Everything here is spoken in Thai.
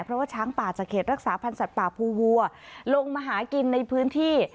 เพราะว่าช้างป่าจากเขตรักษาพันธ์สัตว์ป่าภูวัวลงมาหากินในพื้นที่